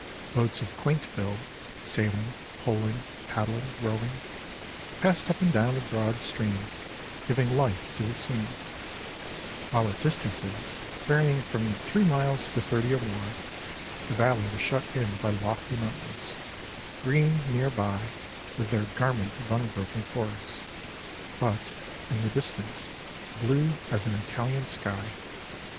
Boats of quaint build sailing, poling, paddling, rowing passed up and down the broad stream, giving life to the scene; while at distances varying from three miles to thirty or more, the valley was shut in by lofty mountains, green near by, with their garment of unbroken forest, but, in the distance, blue as an Italian sky.